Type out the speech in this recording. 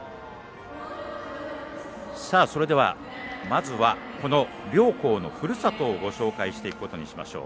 それでは、まずはこの両校のふるさとをご紹介していくことにしましょう。